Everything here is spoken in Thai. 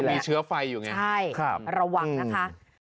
แต่มีเชื้อไฟอยู่ไงครับอืมอืมใช่ระวังนะคะ